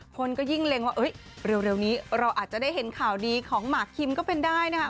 คนก็ยิ่งเล็งว่าเร็วนี้เราอาจจะได้เห็นข่าวดีของหมากคิมก็เป็นได้นะคะ